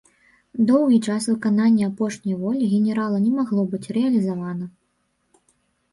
Доўгі час выкананне апошняй волі генерала не магло быць рэалізавана.